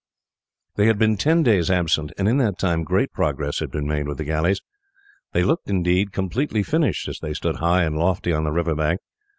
They had been ten days absent, and in that time great progress had been made with the galleys. They looked indeed completely finished as they stood high and lofty on the river bank.